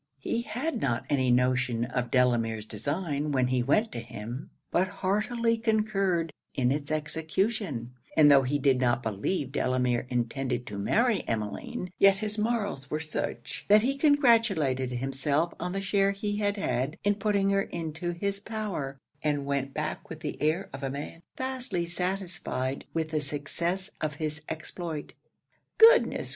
He had not any notion of Delamere's design when he went to him, but heartily concurred in its execution; and tho' he did not believe Delamere intended to marry Emmeline, yet his morals were such, that he congratulated himself on the share he had had in putting her into his power, and went back with the air of a man vastly satisfied with the success of his exploit. 'Goodness!